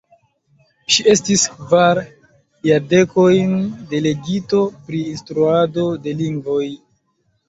Ŝi estis kvar jardekojn delegito pri instruado de lingvoj.